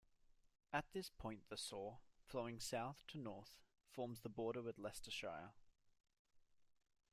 At this point the Soar, flowing south to north, forms the border with Leicestershire.